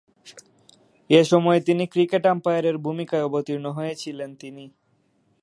এ সময়ে তিনি ক্রিকেট আম্পায়ারের ভূমিকায় অবতীর্ণ হয়েছিলেন তিনি।